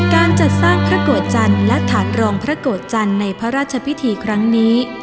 การจัดสร้างพระโกรธจันทร์และถาดรองพระโกรธจันทร์ในพระราชพิธีครั้งนี้